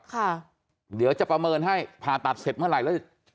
ค่ะเดี๋ยวจะประเมินให้ผ่าตัดเสร็จเมื่อไหร่แล้ว